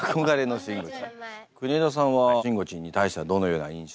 国枝さんはしんごちんに対してはどのような印象。